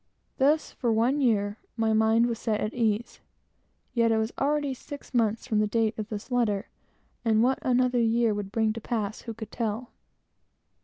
Thus, for one year, my mind was set at ease, yet it was already six months from the date of the letter, and what another year would bring to pass, who could tell?